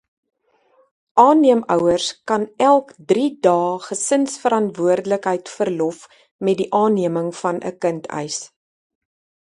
Aanneemouers kan elk drie dae gesinsverantwoordelikheid verlof met die aanneming van 'n kind eis.